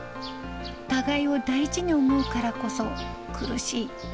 お互いを大事に思うからこそ、苦しい。